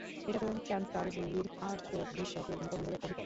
এটা তো ক্যান্টারবুরির আর্চবিশপের মুখমণ্ডলের অবিকল।